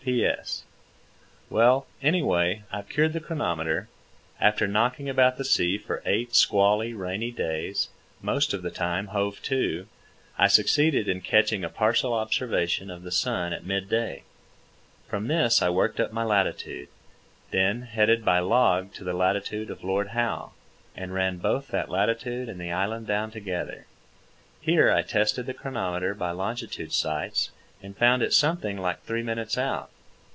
P.S. Well, anyway, I've cured the chronometer. After knocking about the sea for eight squally, rainy days, most of the time hove to, I succeeded in catching a partial observation of the sun at midday. From this I worked up my latitude, then headed by log to the latitude of Lord Howe, and ran both that latitude and the island down together. Here I tested the chronometer by longitude sights and found it something like three minutes out.